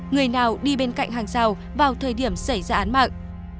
người nào đi bên cạnh hàng rào vào thời điểm xảy ra án mạng